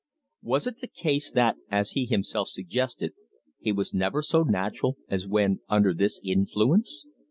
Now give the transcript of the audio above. Was it the case that, as he himself suggested, he was never so natural as when under this influence?